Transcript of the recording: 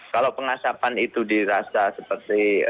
kalau pengasapan itu dirasa seperti